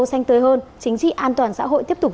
xanh tới hơn chính trị an toàn xã hội tiếp tục